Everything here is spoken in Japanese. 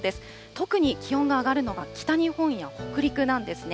特に気温が上がるのが北日本や北陸なんですね。